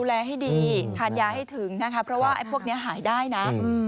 ให้ดีทานยาให้ถึงนะคะเพราะว่าไอ้พวกนี้หายได้นะ